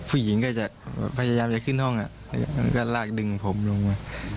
ผู้หญิงก็จะพยายามจะขึ้นห้องแล้วก็ลากดึงผมลงมา